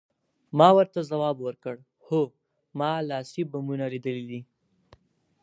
ما ورته ځواب ورکړ، هو، ما لاسي بمونه لیدلي دي.